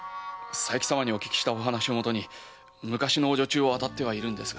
佐伯様のお話をもとに昔の女中を当たっているんですが。